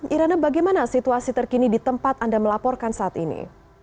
irana bagaimana situasi terkini di tempat anda melaporkan saat ini